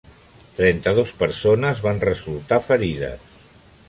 Trenta-dos persones van resultar ferides.